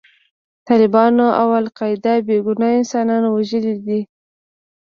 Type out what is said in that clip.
طالبانو او القاعده بې ګناه انسانان وژلي دي.